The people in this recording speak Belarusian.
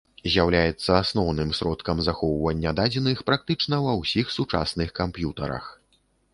З'яўляецца асноўным сродкам захоўвання дадзеных практычна ва ўсіх сучасных камп'ютарах.